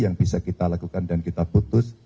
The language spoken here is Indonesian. yang bisa kita lakukan dan kita putus